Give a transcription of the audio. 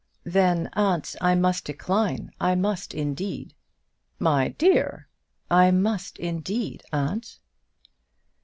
"Then, aunt, I must decline; I must, indeed." "My dear!" "I must, indeed, aunt."